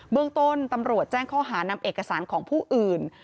เมืองต้นตำรวจแจ้งข้อหานำเอกสารของผู้อื่น